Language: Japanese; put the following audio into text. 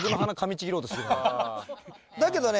だけどね